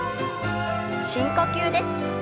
深呼吸です。